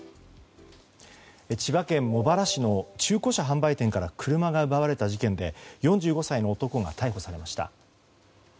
千葉県茂原市の中古車販売店から車が奪われた事件で４５歳の男が逮捕されました。